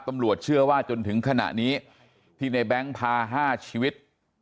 ตำรวจเชื่อว่าจนถึงขณะนี้ที่ในแบงค์พา๕ชีวิต